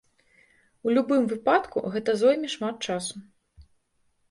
У любым выпадку, гэта зойме шмат часу.